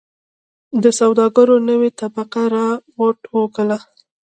د سوداګرو نوې طبقه را و ټوکوله.